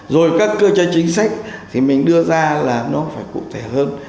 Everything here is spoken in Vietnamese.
rồi các cơ chế chính sách thì mình đưa ra là nó phải cụ thể hơn